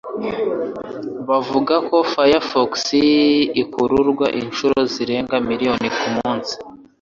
Bavuga ko Firefox ikururwa inshuro zirenga miliyoni kumunsi.